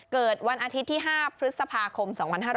เกิดวันอาทิตย์ที่๕พฤษภาคม๒๕๕๙